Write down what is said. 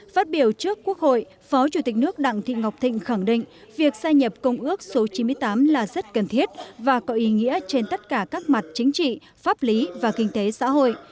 phát biểu trước quốc hội phó chủ tịch nước đặng thị ngọc thịnh khẳng định việc sai nhập công ước số chín mươi tám là rất cần thiết và có ý nghĩa trên tất cả các mặt chính trị pháp lý và kinh tế xã hội